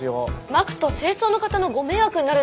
まくと清掃の方のご迷惑になるのでは？